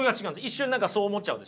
一瞬何かそう思っちゃうでしょ。